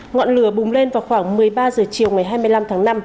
ngọn lửa bùng lên vào khoảng một mươi ba h chiều ngày hai mươi năm tháng năm